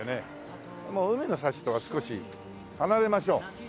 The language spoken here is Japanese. もう海の幸とは少し離れましょう。